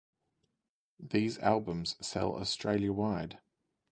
These albums sell Australia-wide.